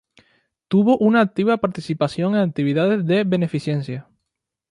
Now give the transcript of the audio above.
Tuvo una activa participación en actividades de beneficencia.